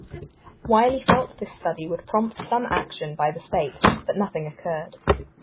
Wiley felt this study would prompt some action by the state but nothing occurred.